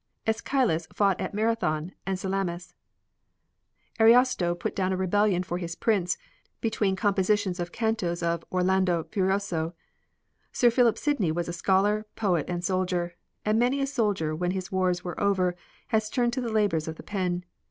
AEschylus fought at Marathon and Salamis; Ariosto put down a rebellion for his prince between composition of cantos of Orlando Furioso; Sir Philip Sydney was scholar, poet and soldier, and many a soldier when his wars were over has turned to the labors of the pen.